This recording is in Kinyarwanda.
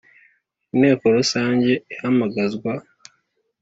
Inteko rusange ihamagazwa